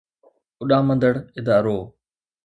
اڏامندڙ ادارو